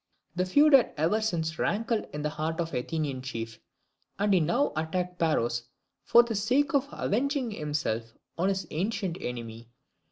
The feud had ever since rankled in the heart of the Athenian chief, and he now attacked Paros for the sake of avenging himself on his ancient enemy.